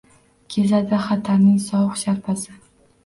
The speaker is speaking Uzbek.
Kezadi xatarning sovuq sharpasi.